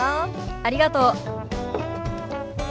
ありがとう。